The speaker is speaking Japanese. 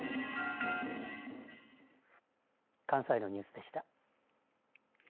関西のニュースでした。